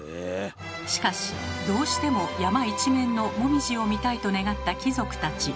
しかしどうしても山一面のもみじを見たいと願った貴族たち。